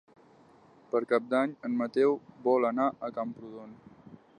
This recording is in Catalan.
Per Cap d'Any en Mateu vol anar a Camprodon.